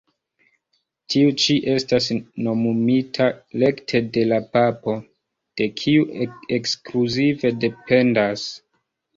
Tiu ĉi estas nomumita rekte de la Papo, de kiu ekskluzive dependas.